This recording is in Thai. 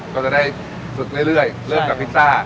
ก็จะได้ฝึกเรื่อยเริ่มกับพิซซ่า